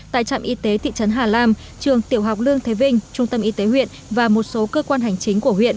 tại trạm y tế thị trấn hà lam trường tiểu học lương thế vinh trung tâm y tế huyện và một số cơ quan hành chính của huyện